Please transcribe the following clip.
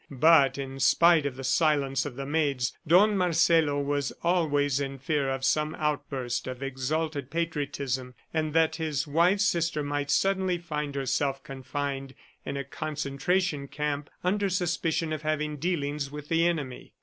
But in spite of the silence of the maids, Don Marcelo was always in fear of some outburst of exalted patriotism, and that his wife's sister might suddenly find herself confined in a concentration camp under suspicion of having dealings with the enemy.